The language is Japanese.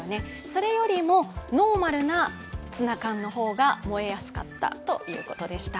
それよりも、ノーマルなツナ缶の方が燃えやすかったということでした。